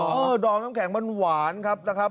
อ๋อเหรออ่อดองน้ำแข็งมันหวานนะครับ